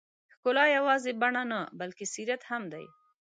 ښکلا یوازې بڼه نه، بلکې سیرت هم دی.